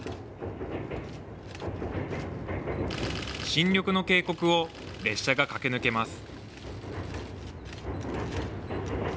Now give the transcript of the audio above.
新緑の渓谷を列車が駆け抜けます。